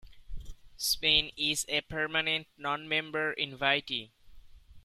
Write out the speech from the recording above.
Spain is a permanent non-member invitee.